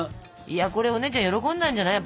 いやこれお姉ちゃん喜んだんじゃない。